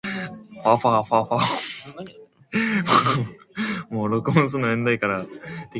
Additionally, the clavicle takes care of medial forces.